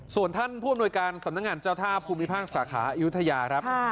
ส่วนท่านผู้อำนวยการสำนักงานเจ้าท่าภูมิภาคสาขาอายุทยาครับ